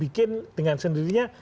bikin dengan sendirinya